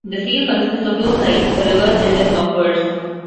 The seal consists of two sides, a reverse and an obverse.